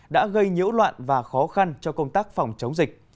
đã gây nhiễu loạn và khó khăn cho công tác phòng chống dịch